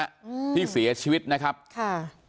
อืมที่เสียชีวิตนะครับค่ะ